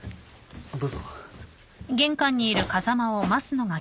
どうぞ。